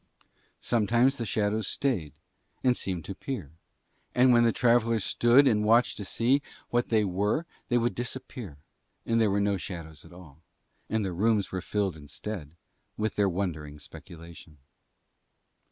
Sometimes the shadows stayed and seemed to peer; and when the travellers stood and watched to see what they were they would disappear and there were no shadows at all, and the rooms were filled instead with their wondering speculation.